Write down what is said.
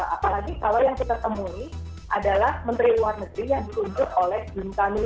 apalagi kalau yang kita temui adalah menteri luar negeri yang ditunjuk oleh bintani